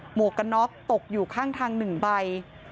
วกกันน็อกตกอยู่ข้างทาง๑ใบ